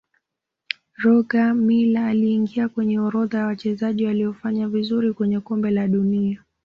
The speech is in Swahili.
roger miller aliingia kwenye orodha ya Wachezaji waliofanya vizuri kwenye kombe la dunia